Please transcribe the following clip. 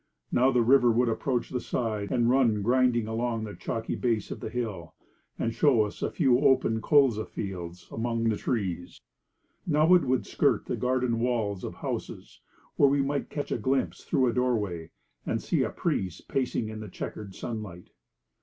Now the river would approach the side, and run griding along the chalky base of the hill, and show us a few open colza fields among the trees. Now it would skirt the garden walls of houses, where we might catch a glimpse through a doorway, and see a priest pacing in the chequered sunlight.